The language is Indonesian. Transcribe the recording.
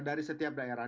dari setiap daerah